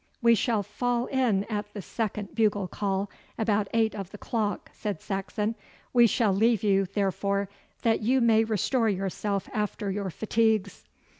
'We shall fall in at the second bugle call, about eight of the clock,' said Saxon. 'We shall leave you, therefore, that you may restore yourself after your fatigues.